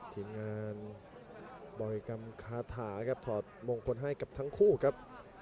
ทีมงานบ่อยกรรมคาถาครับถอดมงคลให้กับทั้งคู่ครับ